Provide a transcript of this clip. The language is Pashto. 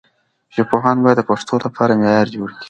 ژبپوهان باید د پښتو لپاره معیار جوړ کړي.